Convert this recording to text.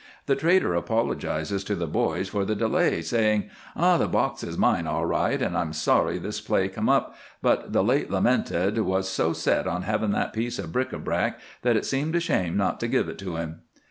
The trader apologizes to the boys for the delay, saying: "'The box is mine, all right, and I'm sorry this play come up, but the late lamented was so set on having that piece of bric à brac that it seemed a shame not to give it to him.'"